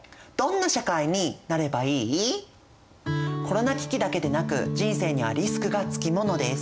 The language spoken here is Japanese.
コロナ危機だけでなく人生にはリスクが付き物です。